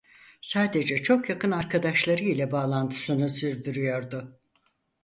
Sadece çok yakın arkadaşları ile bağlantısını sürdürüyordu.